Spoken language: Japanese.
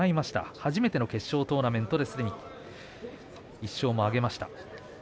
初めての決勝トーナメントで１勝も挙げました。